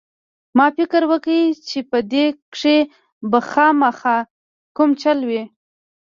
ما فکر وکړ چې په دې کښې به خامخا کوم چل وي.